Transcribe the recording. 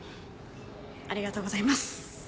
ありがとうございます。